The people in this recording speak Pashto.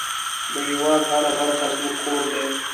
د هېواد هره برخه زموږ کور دی.